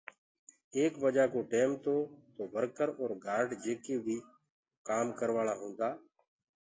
ايڪ بجآ ڪو ٽيم تو تو ورڪر اور گآرڊ جيڪي بي ڪآم ڪروآݪآ هوندآ،